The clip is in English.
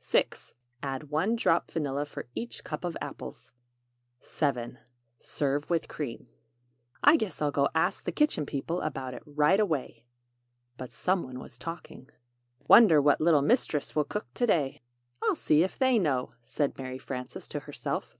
6. Add 1 drop vanilla for each cup of apples. 7. Serve with cream. [Illustration: Apple Snow] "I guess I'll go ask the Kitchen People about it right away!" But some one was talking. "Wonder what little Mistress will cook to day." "I'll see if they know," said Mary Frances to herself.